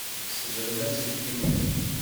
Ssedrem aselkim-nni.